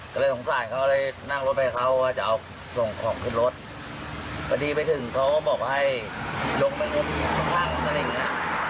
ก็เลยสงสารเขาเลยนั่งรถไปเขาว่าจะเอาส่งของขึ้นรถพอดีไปถึงเขาก็บอกให้ลงไปรถข้างอะไรอย่างเงี้ย